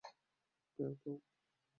প্যাও, প্যাও!